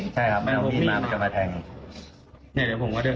ใช่ครับไม่เอานี่มามันจะมาแทง